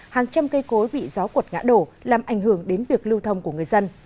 hàng trăm cây cối bị gió cuột ngã đổ làm ảnh hưởng đến việc lưu thông của người dân